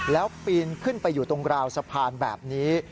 แล้วปีนขึ้นไปอยู่ตรงราวสะพานแบบนี้